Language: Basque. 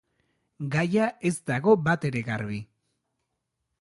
Gaia ez dago batere garbi.